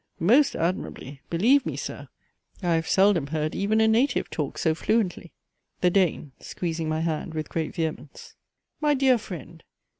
Most admirably! Believe me, Sir! I have seldom heard even a native talk so fluently. THE DANE. (Squeezing my hand with great vehemence.) My dear friend!